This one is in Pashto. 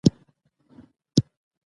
طبیعت د سکون احساس رامنځته کوي